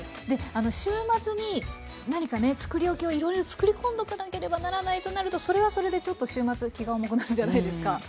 で週末に何かね作り置きをいろいろ作り込んどかなければならないとなるとそれはそれでちょっと週末気が重くなるじゃないですか。